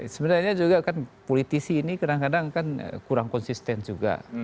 sebenarnya juga kan politisi ini kadang kadang kan kurang konsisten juga